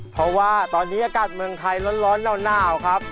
เพราะว่าตอนนี้อากาศเมืองไทยร้อนหนาวครับ